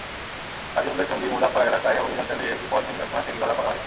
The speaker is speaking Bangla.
গাজীপুরের টঙ্গীর মুদাফা এলাকায় অভিযান চালিয়ে একটি পলিথিন কারখানা সিলগালা করা হয়েছে।